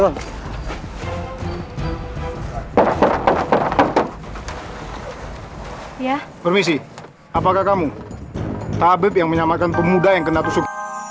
permisi apakah kamu tabib yang menyamakan pemuda yang kena tusuk